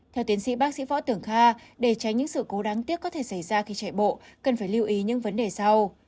theo tiến sĩ bác sĩ võ tưởng kha để tránh những sự cố đáng tiếc có thể xảy ra khi chạy bộ cần phải lưu ý những vấn đề sau